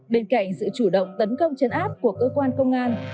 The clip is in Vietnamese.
bên cạnh sự chủ động tấn công chấn áp của cơ quan công an